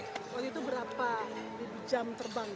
waktu itu berapa jam terbang